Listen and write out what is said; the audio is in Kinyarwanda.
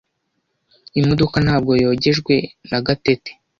Imodoka ntabwo yogejwe na Gatete .